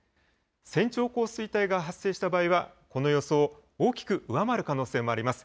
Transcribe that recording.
線状降水帯が発生した場合は、この予想を大きく上回る可能性もあります。